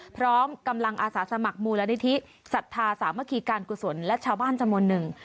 พร้อมกำลังอาสาสมัครมูลนิธิสัทธาสามัคคีการกุศลและชาวบ้านจำนวนหนึ่ง